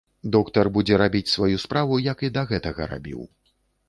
Доктар будзе рабіць сваю справу, як і да гэтага рабіў.